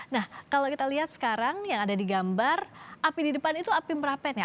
nah kalau kita lihat sekarang yang ada di gambar api di depan itu api merapen ya